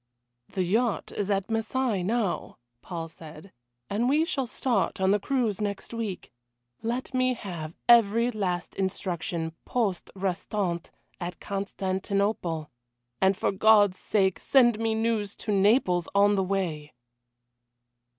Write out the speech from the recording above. "The yacht is at Marseilles now," Paul said, "and we shall start on the cruise next week. Let me have every last instruction poste restante, at Constantinople and for God's sake send me news to Naples on the way."